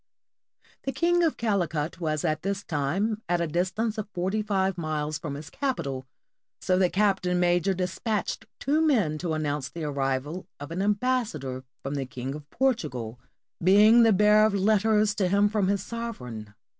The King of Calicut was at this time at a distance of forty five miles from his capital, so the captain major dispatched two men to announce the arrival of an am bassador from the King of Portugal, being the bearer of letters to him from his sovereign.